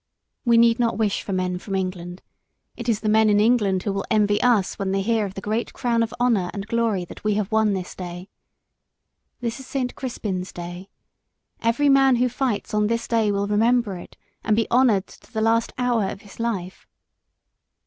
We need not wish for men from England. It is the men in England who will envy us when they hear of the great crown of honour and glory that we have won this day. This is Saint Crispin's day. Every man who fights on this day will remember it and be honoured to the last hour of his life.